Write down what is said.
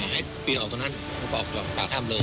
ให้เปี๋ยวออกตรงนั้นแล้วก็ออกปากท่ามเลย